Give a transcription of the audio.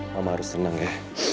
mama harus senang ya